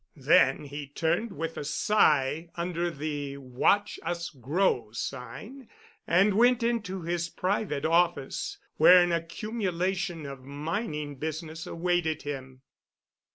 Then he turned with a sigh under the "Watch Us Grow" sign and went into his private office, where an accumulation of mining business awaited him.